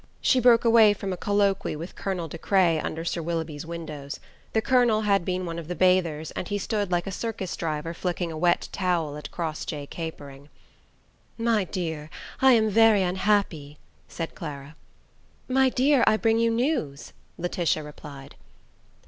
She broke away from a colloquy with Colonel De Craye under Sir Willoughby's windows. The colonel had been one of the bathers, and he stood like a circus driver flicking a wet towel at Crossjay capering. "My dear, I am very unhappy!" said Clara. "My dear, I bring you news," Laetitia replied.